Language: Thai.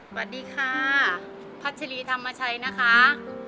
สวัสดีค่ะพัชรีธรรมชัยนะคะ